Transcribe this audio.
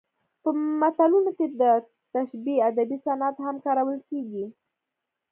په متلونو کې د تشبیه ادبي صنعت هم کارول کیږي